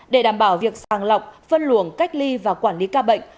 để đảm bảo việc sàng lọc phân luồng cách ly và quản lý ca bệnh